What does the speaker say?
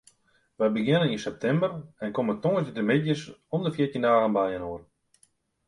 Wy begjinne yn septimber en komme tongersdeitemiddeis om de fjirtjin dagen byinoar.